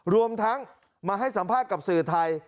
รวมทั้งมาให้สัมภาษณ์กับสื่อไทย